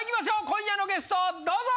今夜のゲストどうぞ！